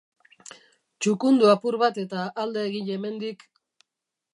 Txukundu apur bat eta alde egin hemendik...